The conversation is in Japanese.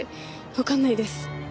わからないです。